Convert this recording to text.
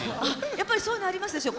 やっぱりそういうのありますでしょ。